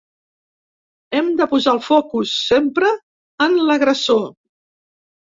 Hem de posar el focus, sempre, en l’agressor.